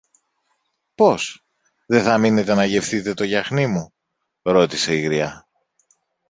Πώς; Δε θα μείνετε να γευθείτε το γιαχνί μου; ρώτησε η γριά.